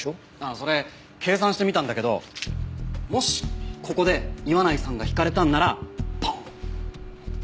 それ計算してみたんだけどもしここで岩内さんがひかれたんならポーン！